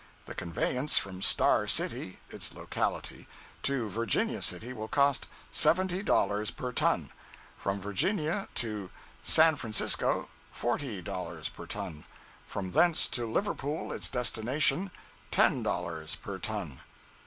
The conveyance from Star City (its locality) to Virginia City will cost seventy dollars per ton; from Virginia to San Francisco, forty dollars per ton; from thence to Liverpool, its destination, ten dollars per ton.